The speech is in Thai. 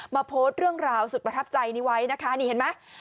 โพสต์เรื่องราวสุดประทับใจนี้ไว้นะคะนี่เห็นไหม